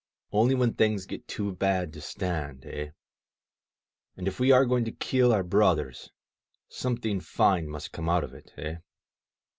Only when things get too bad to stand, eh? And, if we are going to kill our brothers, something fine must come out of it, eh?